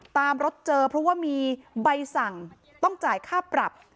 ตามรถเจอเพราะว่ามีใบสั่งต้องจ่ายค่าปรับ